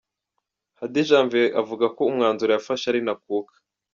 Hadi Janvier avuga ko umwanzuro yafashe ari ntakuka.